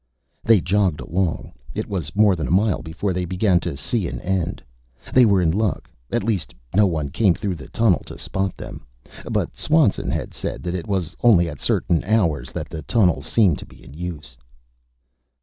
They jogged along. It was more than a mile before they began to see an end. They were in luck at least no one came through the tunnel to spot them. But Swanson had said that it was only at certain hours that the tunnel seemed to be in use.